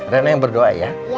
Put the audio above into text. rena yang berdoa ya